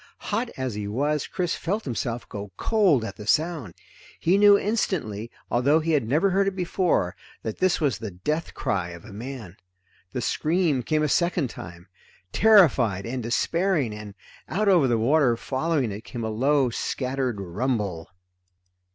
Hot as he was, Chris felt himself go cold at the sound. He knew instantly, although he had never heard it before, that this was the death cry of a man. The scream came a second time, terrified and despairing, and out over the water following it came a low, scattered rumble.